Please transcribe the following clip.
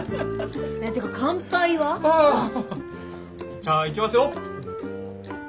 じゃあいきますよ。